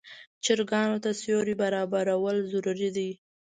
چرګانو ته د سیوري برابرول ضروري دي.